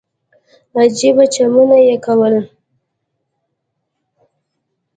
عجيبه چمونه يې کول.